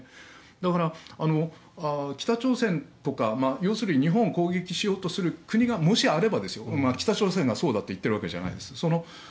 だから、北朝鮮とか、要するに日本を攻撃しようとする国がもしあれば北朝鮮がそうだと言っているわけじゃないです。